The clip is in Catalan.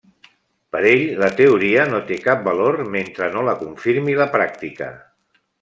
Per ell, la teoria no té cap valor mentre no la confirmi la pràctica.